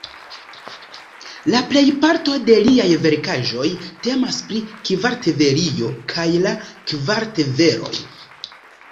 La plejparto de liaj verkaĵoj temas pri Kartvelio kaj la kartveloj.